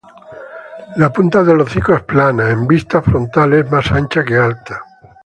La punta del hocico es plana, en vista frontal es más ancha que alta.